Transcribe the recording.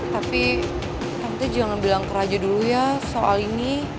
tapi tante jangan bilang ke raja dulu ya soal ini